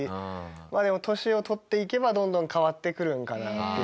まあでも年を取っていけばどんどん変わってくるのかなって。